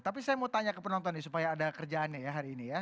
tapi saya mau tanya ke penonton nih supaya ada kerjaannya ya hari ini ya